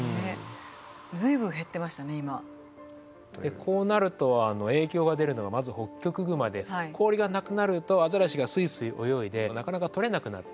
こうなると影響が出るのがまずホッキョクグマで氷がなくなるとアザラシがスイスイ泳いでなかなか取れなくなって。